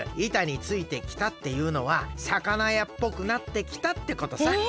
「板についてきた」っていうのはさかなやっぽくなってきたってことさ。